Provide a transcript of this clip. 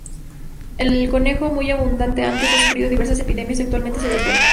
El conejo, muy abundante antes, ha sufrido diversas epidemias y actualmente se ve poco.